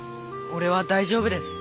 俺は大丈夫です。